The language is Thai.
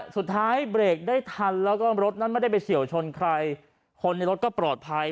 สุดท้ายเบรกได้ทันแล้วก็รถนั้นไม่ได้ไปเฉียวชนใครคนในรถก็ปลอดภัย